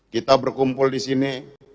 kita berkumpul di sini